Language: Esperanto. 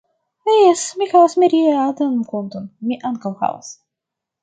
Jes, mi havas miriadan konton, mi ankaŭ havas